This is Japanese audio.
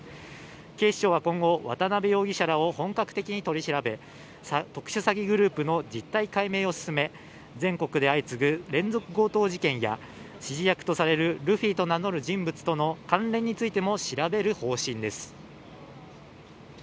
警視庁は今後、渡辺容疑者らを本格的に取り調べ、特殊詐欺グループの実態解明を進め、全国で相次ぐ連続強盗事件や指示役とされるルフィと名乗る人物との関連についても調べる方針です。